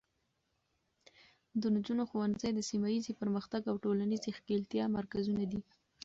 د نجونو ښوونځي د سیمه ایزې پرمختګ او ټولنیزې ښکیلتیا مرکزونه دي.